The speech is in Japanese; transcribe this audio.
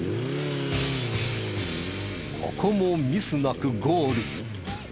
ここもミスなくゴール。